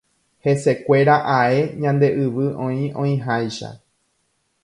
Hesekuéra ae ñande yvy oĩ oĩháicha.